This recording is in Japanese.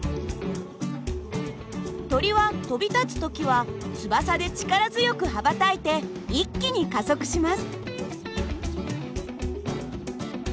鳥は飛び立つ時は翼で力強く羽ばたいて一気に加速します。